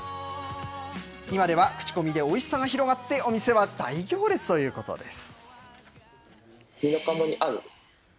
今では口コミでおいしさが広がって、お店は大行列ということです。